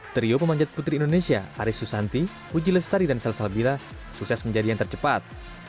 trio pemancat putri indonesia arisu santi puji lestari dan salsalvila sukses menjadi yang tercepat